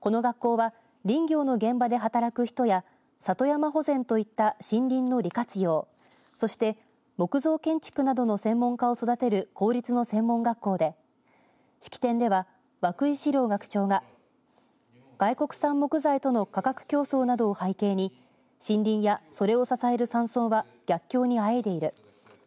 この学校は林業の現場で働く人や里山保全といった森林の利活用そして木造建築などの専門家を育てる公立の専門学校で式典では、涌井史郎学長が外国産木材との価格競争などを背景に森林やそれを支える山村は逆境にあえいでいる。